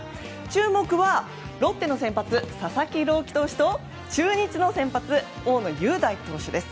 注目は、ロッテの先発佐々木朗希投手と中日の先発、大野雄大投手です。